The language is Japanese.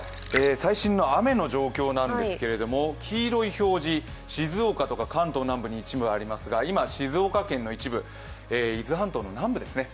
最新の雨の状況なんですけど、黄色い表示、静岡とか関東南部に一部ありますが今、静岡県の一部、伊豆半島の南部ですね。